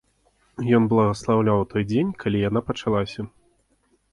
Ён благаслаўляў той дзень, калі яна пачалася.